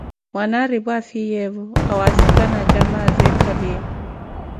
Mwanaripu afiiyevo awasikana acamaaze eekhaliye.